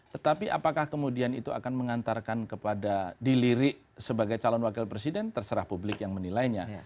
tetapi apakah kemudian itu akan mengantarkan kepada dilirik sebagai calon wakil presiden terserah publik yang menilainya